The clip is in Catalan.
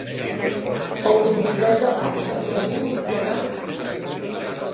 El vint-i-tres de maig en Garbí voldria anar a Costur.